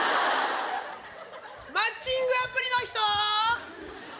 マッチングアプリの人？